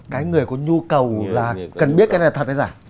cái người có nhu cầu là cần biết cái này thật hay giả